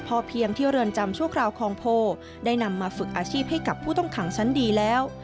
พอเพียงที่เรือนจำชั่วคราวคลองโพได้นำมาฝึกอาชีพให้กับผู้ต้องขังชั้นดีแล้ว